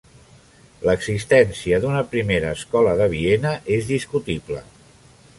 L'existència d'una "Primera Escola de Viena" és discutible.